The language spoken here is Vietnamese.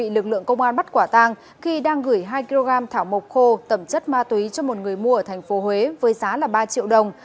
lực lượng công an bắt quả tàng khi đang gửi hai kg thảo mộc khô tẩm chất ma túy cho một người mua ở tp huế với giá ba triệu đồng